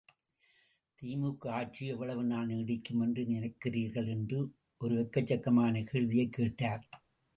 திமுக ஆட்சி எவ்வளவு நாள் நீடிக்குமென்று நினைக்கிறீர்கள்? என்று ஒரு எக்கச்சக்கமான கேள்வியைக் கேட்டார்.